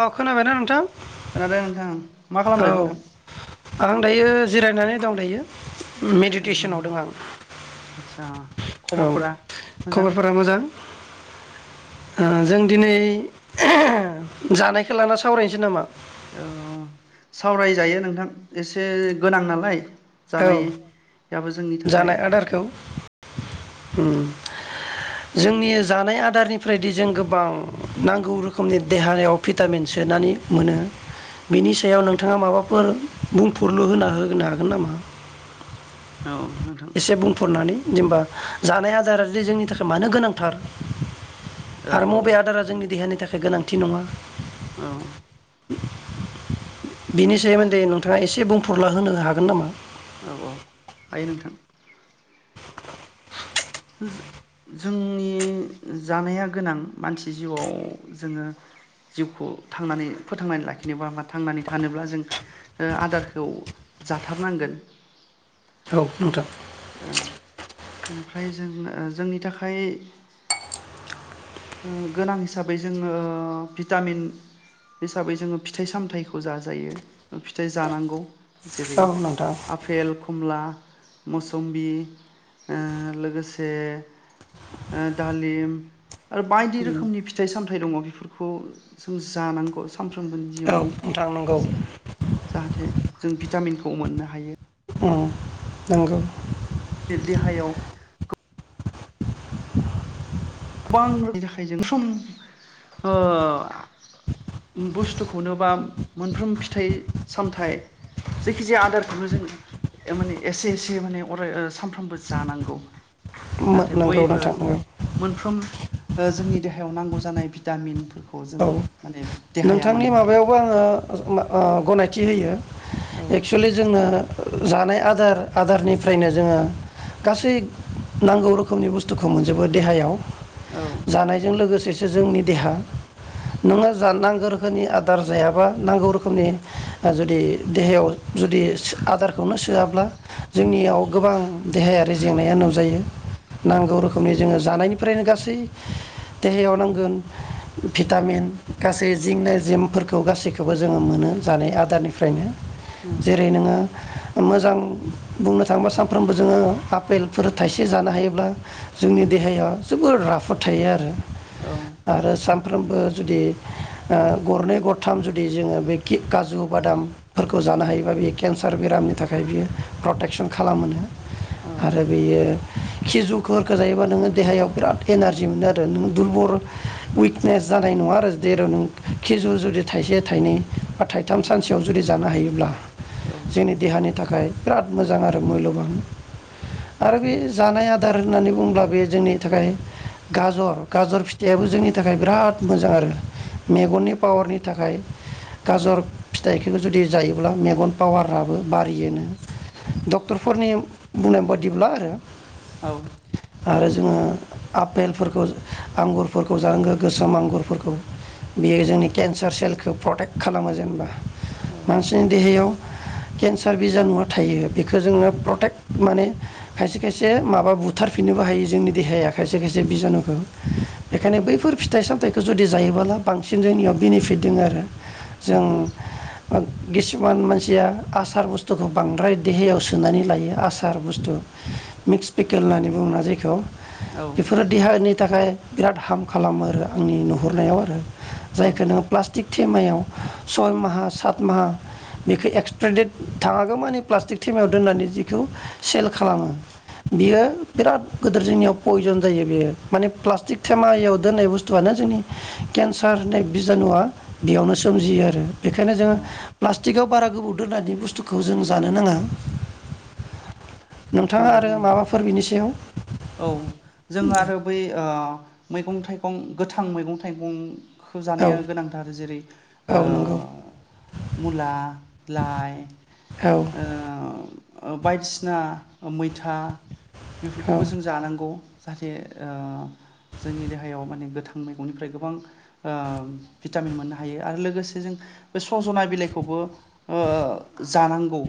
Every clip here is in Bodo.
औ खोनाबायना नोंथां? खोनादों नोंथां मा औ खालामदों आं दायो जिरायनानै दं दायो नोंथां मेडिटेसनाव दं आं। आदसा औ खबरफोरा मोजां खबरफोरा मोजां ओ जों दिनै जानायखौ लाना सावरायनोसै नामा? औ सावरायजायो नोंथां एसे गोनां नालाय औ जानाय जानाय आदारखौ ओम जोंनि जानाय आदारनिफ्रायदि जों गोबां नांगौ रोखोमनि देहायाव भिटामिन सोनानै मोनो बिनि सायाव नोंथाङा माबाफोर बुंफोरलु होना होनो हागोन नामा? औ नोंथां एसे बुंफोरनानै जेनबा जानाय आदार जदि जोंनि थाखाय मानो गोनांथार औ आरो औ मबे आदारा जोंनि देहानि थाखाय थाखाय गोनांथि नङा औ। बिनि सोमोन्दै नोंथाङा एसे बुं बुरला होनो हागोन नामा? औ औ हायो नोंथां। जोंनि जानाया गोनां मानसि जिउआव जोङो जिउखौ थांनानै फोथांनानै लाखिनोबा बा थांनानै थानोब्ला जों आदारखौ जाथारनांगोन। औ नोंथां। औ ओमफ्राय जों जोंनि थाखाय गोनां हिसाबै जोङो भिटामिन हिसाबै जोङो फिथाइ सामथाइखौ जाजायो फिथाइ जानांगौ जेरै औ नोंथां आफेल, खमला मौसुम्बि ओ लोगोसे दालिम आरो बायदि रोखोमनि फिथाइ सामथाय फिथाइ दङ बेफोरखौ जों जानांगौ सानफ्रोमबो नि औ जिउआव नोंथां नंगौ जाहाथे जों भिटामिनखौ मोननो हायो उम नंगौ। देहायाव गोबां रोखोमनि थाखाय जों सम बुस्थुखौनो बा मोनफ्रोम फिथाइ सामथाइ जायखि जाया आदारखौनो जों माने एसे एसे माने अराय सानफ्रामबो जानांगौ। जाहाथे बय नंगौ ओ नोंथां नंगौ। मोनफ्रोम जोंनि देहायाव नांगौ जानाय भिटामिन औ नोंथांनि हायो माबायावबो आङो ओ गनायथि होयो। औ एक्सेलि जोंनो जानाय आदार आदारनिफ्रायनो जोङो गासै नांगौ रोखोमनि बुस्थुखौ मोनजोबो देहायाव। औ जानायजों लोगोसे जोंनि देहा नोंङो जा नांगौ रोखोमनि आदार जायाबा नांगौ रोखोमनि जुदि देहायाव जुदि आदार खौनो सोआब्ला औ जोंनियाव गोबां देहायारि जेंनाया नुजायो। नांगौ रोखोमनि जोङो जानायनिफ्रायनो गासै देहायाव नांगोन भिटामिन गासै जिंना जिमफोरखौ गासैखौबो जोङो मोनो जानाय आदारनिफ्रायनो। जेरै नोङो मोजां बुंनो थाङोबा सानफ्रोमबो जोङो आफेलफोर थाइसे जानो हायोब्ला जोंनि देहाया जोबोर राफोद थायो आरो औ। बो जुदि गरनै गरथाम जुदि जोङो बे कि काजु बादामफोरखौ जानो हायोबा बे केन्सार बेरामनि थाखाय बियो प्रटेकसन खालामोनो। आरो बेयो खिजुरफोरखो जायोबा नोङो देहायाव बिराद एनारजि मोनो आरो नों दुरबल उइक स जानाय नङा आरो जेराव नों खिजु जुदि थाइसे थाइनै बा थाइथाम सानसेयाव जुदि जानो हायोब्ला जोंनि देहानि थाखाय बिराद मोजां आरो मुल्यबान आरो बे जानाय आदार होननानै बुङोब्ला बे जोंनि थाखाय गाजर गाजर फिथाइयाबो जोंनि थाखाय बिराद मोजां आरो मेगननि पावारनि थाखाय गाजर फिथाइखौ जुदि जायोब्ला मेगन पावाराबो बारियोनो डक्टरफोरनि बुंनाय बादिब्ला आरो। औ। आरो जोङो आफेलफोरखौ आंगुरफोरखौ जानांगो आंगुरफोरखौ बेयो जोंनि केन्सार सेलखौ प्रटेट खालामो जेनेबा औ मानसिनि देहायाव केन्सार बिजानुआ थायो बेखौ जोङो प्रटेक्ट माने खायसे खायसे माबा बुथारफिननोबो हायो जोंनि देहाया खायसे खायसे बिजानुखौ बेखायनो बैफोर फिथाइ साम फिथाइखौ जुदि जायोब्ला बांसिन जोंनियाव बेनिफिट दङ आरो जों किसुमान मानसिया आसार बुस्थुखौ बांद्राय देहायाव सोनानै लायो आसार बुस्थु मिक्स पेकेल होननानै बुङोना जायखौ बेफोरो देहानि थाखाय बिराद हार्म खालामो आरो आंनि नुहुरनायाव आरो औ जायखौ नोङो प्लास्टिक थेमायाव सय माहा सात माहा बेखौ एक्सपायारि देट थाङागौ माने प्लास्टिक थेमायाव दोननानै जिखौ सेल खालामो बियो बिराद गोदिर जोंनियाव पयजन जायो बेयो माने प्लास्टिक थेमायाव दोननाय बुस्थुआनो जोंनि केन्सार होननाय बिजानुआ बेयावनो सोमजियो आरो। बेखायनो जोङो औ प्ला टिकाव बारा गोबाव दोननायनि बुस्थुखौ जों जानो नाङा। नोंथाङा नंगौ आरो नंगौ माबाफोर बिनि सायाव औ जों आरो बै। ओ मैगं थाइगं गोथां मैगं थाइगं। खौ औ जानाया गोनांथार जेरै ओ औ नंगौ मुला लाइ औ ओ। ओ बायदिसिना मैथा बे औ खौबो जों जानांगौ जाहाथे ओ जोंनि देहायाव माने गोथां मैगंनिफ्राय गोबां ओ भिटामिन मोननो हायो आरो लोगोसे जों बे सज'ना बिलाइखौबो ओ जानांगौ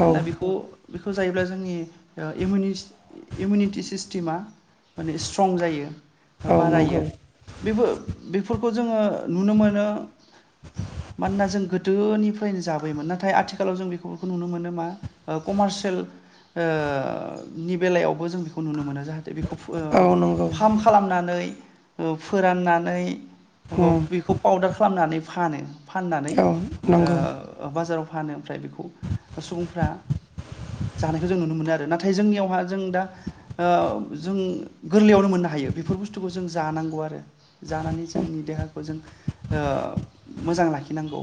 औ मानोना बिखौ बेखौ जायोब्ला जोंनि ओ इमिउनिस इमिउनिटि सिस्टेमा माने स्ट्रं जायो औ बारायो नंगौ बेबो बेफोर खौ जोङो नुनो मोनो मानोना जों गोदोनिफ्रायनो जाबायोमोन नाथाय आथिखालाव जों बेफोरखौ नुनो मोनो मा कमार्सियेल ओ नि बेलायाव। बो जों बेखौ नुनो मोनो जाहाथे बेखौ फो औ नंगौ फार्म खालामनानै औ फोराननानै औ उम बेखौ पाउदार खालामनानै फानो फाननानै औ नंगौ ओ बाजाराव फानो ओमफ्राय बेखौ सुबुंफ्रा जानायखौ जों नुनो मोनो आरो नाथाय जोंनियावहा जों दा औ जों गोरलैयावनो मोननो हायो बेफोर बुस्थुखौ जों जानांगौ आरो। जानानै जोंनि देहाखौ जों ओ मोजां लाखिनांगौ।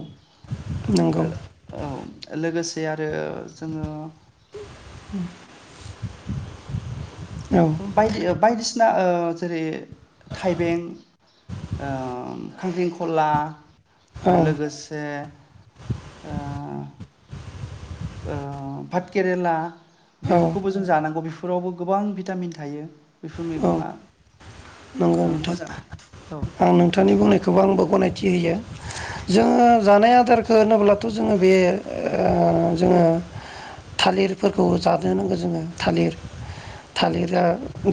नंगौ औ लोगोसे जे आरो जोङो ओम बायदि ओ बायदिसिना ओ जेरै थाइबें ओम खांख्रिंखला औ लोगोसे ओ ओ भात केेरेला औ बेफोरखौबो जों जानांगौ बे फोरावबो गोबां भिटामिन थायो बेफोर औ मैगङा नंगौ ओ नोंथां मोजां आं नोंथांनि बुंनायखौबो आंबो गनाय थि होयो जोङो जानाय आदारखौ होनोब्लाथ' जोङो बे ओ जोङो थालिरफोरखौ जानो नांगौ जोङो थालिर थालिरा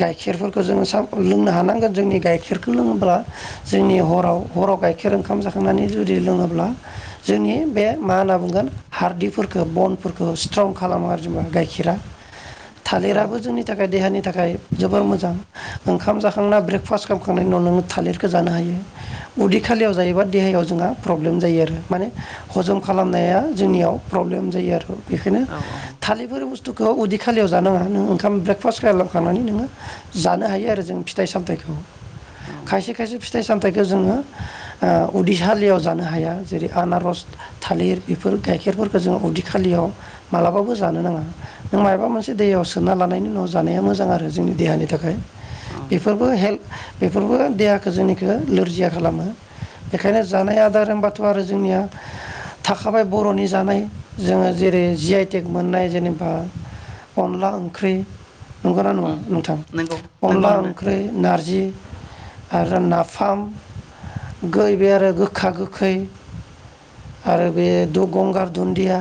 गाय खेरफोरखौ जोङो साफ्रोमबो लोंनो हानांगोन जोंनि गाइखेरखौ लोङोब्ला जोंनि हराव हराव गाइखेर ओंखाम जाखांनानै जुदि लोङोब्ला जोंनि बे मा होनना बुंगोन हारदिफोरखौ बनफोरखौ स्ट्रं खालामो आरो जेनेबा गाइखेरा औ थालिराबो जोंनि थाखाय देहानि थाखाय जोबोर मोजां ओंखाम जाखांना ब्रेकफास्ट खालामखांनायनि उनाव नोङो थालिरखौ जानो हायो उदै खालियाव जायोबा देहायाव जोंहा प्रब्लेम जायो आरो माने हजम खालामनाया जोंनियाव प्रब्लेम जायो आरो बेखायनो औ थालिरफोर बुस थुखौ उद खालियाव जानाङा नों ओंखाम ब्रेफास्ट खालामखांनानै नोङो जानो हायो आरो जों फिथाइ सामथाइखौ औ खायसे खायसे फिथाइ सामथाइखौ ओ जोङो उदै खालियाव जानो हाया जेरै आनारस थालिर बेफोर गाइखेरफोरखो जोङो उदै खालियाव मालाबाबो जानो नाङा नों मायबा मोनसे दैयाव सोना लानायनि उनाव जानाया मोजां आरो जोंनि देहानि थाखाय औ बेफोरबो हेल्प बेफोरबो देहाखौ जोंनिखो लोरजिया खालामो बेखायनो जानाय आदार होनबाथ आरो जोंनिया थाखाबाय बरनि जानाय जोङो जेरै जि आइ टेक मोननाय जेनेबा अनला ओंख्रै नंगोना उम नङा नंगौ नंगौ अनला नोंथां ओंख्रै ना नारजि आरो नाफाम गो इबे आरो गोखा गोखै आरो बे द गंगार दुन्दिया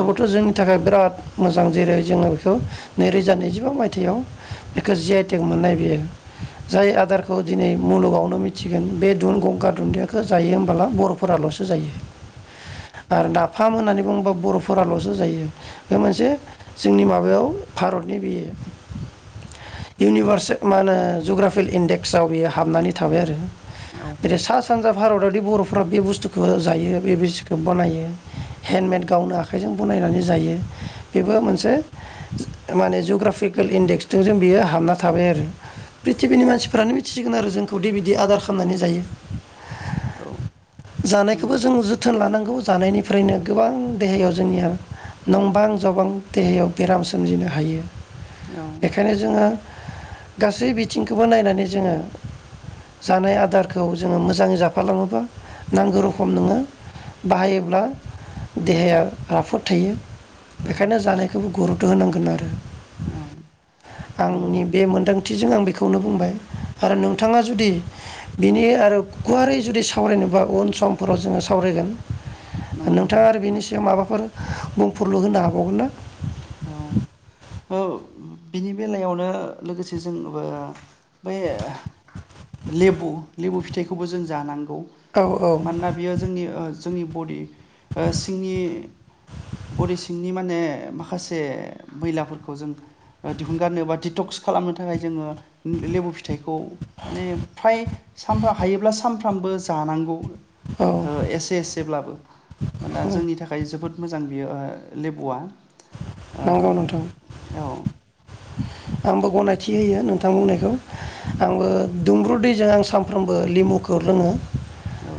औ जोंनि थाखाय बेराद मोजां जेरै जोङो बेखौ नैरोजा नैजिबा मायथाइयाव बेखौ जि आ इटेक मोननाय बेयो जाय आदारखौ दिनै मुलुगावनो मिथिगोन बे दुन गंगार दुुनदियाखो जायो होनबोला बर'फोरालसो जायो आरो नाफाम होननानै बुङोबा बर'फोरालसो जायो बे मोनसे जोंनि माबायाव भारतनि बेयो इउनिभार्से मा होनो जुग्राफेल इन्डेक्सआव बेयो हाबनानै थाबाय आरो औ बि सा सानजा भारतावदि बरफोरा बे बुस्थुखौ जायो बे बिसखौ बानायो हेनमेड गावनो आखाइजों बनायनानै जायो बेबो मोनसे माने जुग्राफिकेल इन्डेक्स जों जों बेयो हाबना थाबाय आरो पृथिबिनि मानसिफ्रानो मिथिसिगोन आरो जोंखौ दि बिदि आदार खामनानै जायो औ जानायखोबो नंगौ जों जु जोथोन लानांगौ जानायनिफ्रायनो गोबां देहायाव जोंनिया नंबां जाबां देहायाव बेराम सोमजिनो हायो औ बेखायनो जोङो गासै बिथिंखोबो नायनानै जोङो जानाय आदारखौ जोङो मोजाङै जाफालाङोबा नांगौ रोखोम नोङो बाहायोब्ला देहाया राफोद थायो औ बेखायनो जानायखोबो गुरुबथ होनांगोन आरो औ नंगौ आंनि बे मोनदांथिजों आं बेखौनो बुंबाय आरो नोंथाङा जुदि बिनि आरो गुवारै जुदि सावरायनोबा उन समफोराव जोङो सावरायगोन नंगौ नोंथां नोंथाङा आरो बेनि सायाव माबा फोर बुंफुरलु होनो हाबावगोन ना औ ओ बिनि बेलायावनो लोगोसे जों ब बै लेबु लेबु फिथाइखौबो जों जानां गौ औ औ मानोना बेयो जोंनि ओ जोंनि बदि सिंनि बदि सिंनि माने माखासे मैलाफोरखौ जों दिहुनगारनो बा दिटक्स खालामनो थाखाय जोङो लेबु फिथाइखौ माने फ्राय सानफ्राम हायोब्ला सानफ्रामबो जानांगौ औ ओ एसे एसेब्लाबो औ माने‌ जोंनि थाखाय जोबोद मोजां बियो ओ लेबुआ ओं नंगौ नोंथां औ आंबो गनायथि होयो नोंथां बुंनायखौ आंबो दुंब्रुद दैजों आं सामफ्रोमबो लिमुखौ लोङो। औ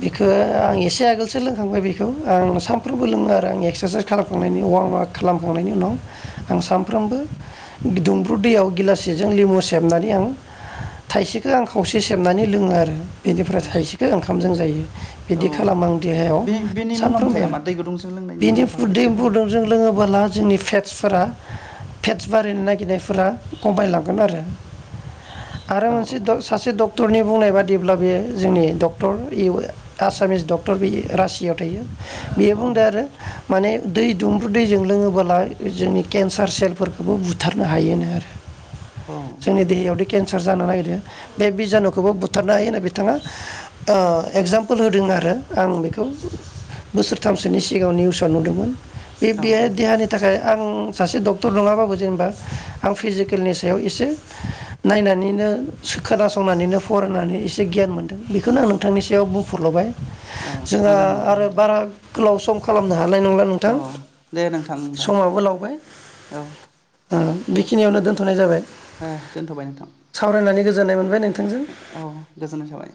बिखो आं एसे आगोलसो लोंखांबाय बिखौ आं सानफ्रोमबो लोङो आरो आं एक्सारसाइस खालामखांनायनि वारमवार्क खालामखांनायनि उनाव आं सानफ्रोमबो दुंब्रुद दैयाव गिलाससेजों लिमु सेबनानै आं थाइसेखो आं खावसे सेबनानै लोङो आरो बेनिफ्राय थाइसेखो ओंखामजों जायो औ बिदि खालामो आं देहायाव बे बेनि मुलाम्फाया सानफ्रोमबो मा दै गुदुंजों लोंनायनि बिनि मुलाम्फाखौ दै एसे बुंनो [unintelligible] जों लोङोबा ला जोंनि फेटसफोरा फेटस बारायनो नागिरनायफोरा कमायलांगोन आरो आरो औ मोनसे द सासे डक्टरनि बुंनाय बादिब्ला बेयो जोंनि डक्टर इ [unintelligible] आसामिस डक्टर बेयो रासि याव थायो। बेयो औ बुंदो आरो माने दै दुंब्रुद दैजों लोङोबोला जोंनि केन्सार सेलफोरखौबो बुथारनो हायोनो आरो औ जोंनि देहायाव दै केन्सार जानो नागिरो बे बिजानुखौबो बुथारनो हायोनो बिथाङा एगजामपोल होदों आरो आं बेखौ बोसोरथामसोनि सिगाङाव निउसाव नुदोंमोन। औ बे-बेह देहानि थाखाय आं सासे डक्टर नङाबाबो जेनेबा आं फिजिकेलनि सायाव एसे नायनानैनो खोनासंनानैनो फरायनानै एसे गियान मोनदों बेखौनो आं नोंथांनि सायाव बुंफुरल'बाय औ जोंहा मोजां मोजां आरो नोंथां बारा गोलाव सम खालामनो हानाय नंला औ नोंथां। दे नोंथां होमबा। समाबो लावबाय औ ओ बेखिनियावनो दोनथ'नाय जाबाय। ओ दोनथ'बाय नोंथां सावरायनानै गोजोननाय मोनबाय नोंथांजों औ गोजोननाय थाबाय।